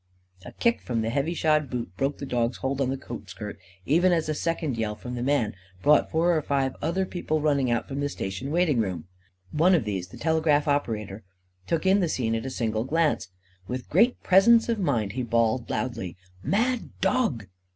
A kick from the heavy shod boot broke the dog's hold on the coat skirt, even as a second yell from the man brought four or five other people running out from the station waitingroom. One of these, the telegraph operator, took in the scene at a single glance. With great presence of mind he bawled loudly: "MAD DOG!"